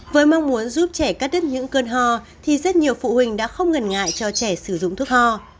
với mong muốn giúp trẻ cắt đứt những cơn ho thì rất nhiều phụ huynh đã không ngần ngại cho trẻ sử dụng thuốc ho